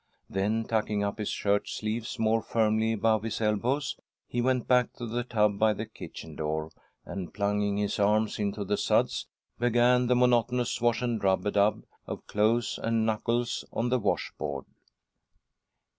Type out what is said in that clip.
Then tucking up his shirt sleeves more firmly above his elbows, he went back to the tub by the kitchen door, and, plunging his arms into the suds, began the monotonous swash and rub a dub of clothes and knuckles on the wash board.